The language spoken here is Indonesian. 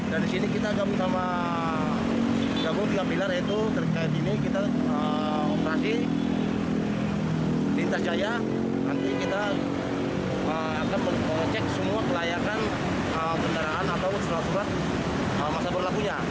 di gabung tiga miliar yaitu dari kabin ini kita operasi lintas jaya nanti kita akan cek semua kelayakan kendaraan atau setelah surat masa berlakunya